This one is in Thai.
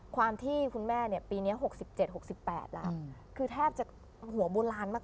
ความที่คุณแม่เนี่ยปีนี้๖๗๖๘แล้วคือแทบจะหัวโบราณมาก